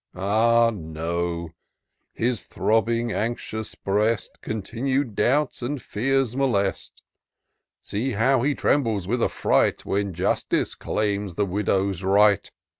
Ah, no !— ^his throbbing anxious breast Continued doubts and fears molest. See how he trembles with affiight. When Justice claims the widow's right.